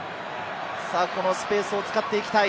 このスペースを使っていきたい。